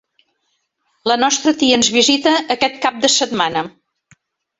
La nostra tia ens visita quest cap de setmana.